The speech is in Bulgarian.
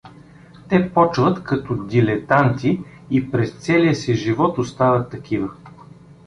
Те почват като дилетанти и през, целия си живот остават такива.